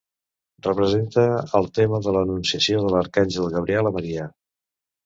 Representa el tema de l'Anunciació de l'arcàngel Gabriel a Maria.